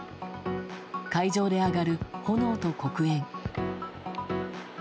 海上で上がる炎と黒煙。